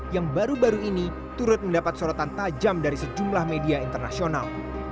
yang baru baru ini turut mendapat sorotan tajam dari sejumlah media internasional